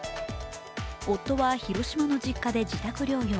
夫は広島の実家で自宅療養。